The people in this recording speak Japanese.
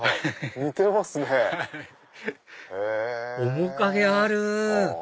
面影ある！